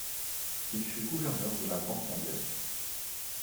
Il fut gouverneur de la Banque mondiale.